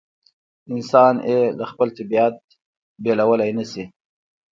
انسان یې له خپل طبیعت بېلولای نه شي.